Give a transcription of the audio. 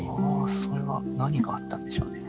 それは何があったんでしょうね。